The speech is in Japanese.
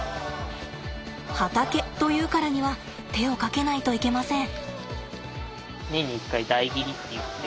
畑というからには手をかけないといけません。